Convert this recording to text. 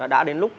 đã đến lúc